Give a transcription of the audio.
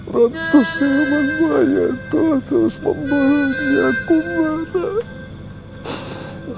ratu siaman bayi itu terus membunuhnya aku marah